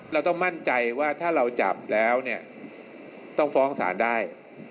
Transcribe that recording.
เราต้องมั่นใจว่าถ้าเราจับแล้วเนี่ยต้องฟ้องศาลได้